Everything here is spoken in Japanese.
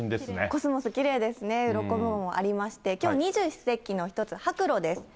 コスモス、きれいですね、うろこ雲もありまして、きょう二十四節気の一つ、白露です。